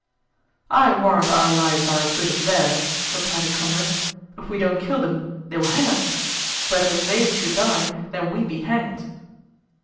_" "I warrant our lives are as good as theirs," replied his comrade. "If we don't kill them, they will hang us: better they should die than we be hanged."